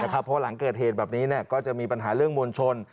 เพราะหลังเกิดเหตุแบบนี้ก็จะมีปัญหาเรื่องมวลชน